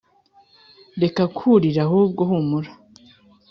Reka kurira ahubwo humura